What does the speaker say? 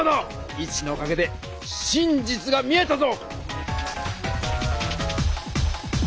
イチのおかげで真実が見えたぞ！